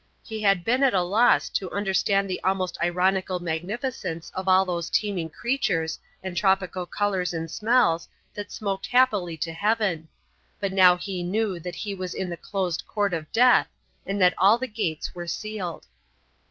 He had been at a loss to understand the almost ironical magnificence of all those teeming creatures and tropical colours and smells that smoked happily to heaven. But now he knew that he was in the closed court of death and that all the gates were sealed.